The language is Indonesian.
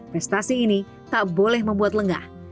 prestasi ini tak boleh membuat lengah